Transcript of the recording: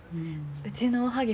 うちのおはぎ